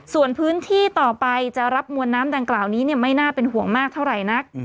ส่วนพื้นที่ต่อไปจะรับมวลน้ำดังกล่าวนี้ไม่น่าเป็นห่วงมากเท่าไหร่นัก